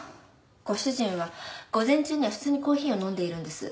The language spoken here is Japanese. ご主人は午前中には普通にコーヒーを飲んでいるんです。